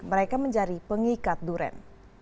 mereka menjadi pengikat durian